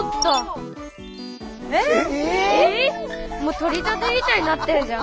取れたてみたいになってるじゃん。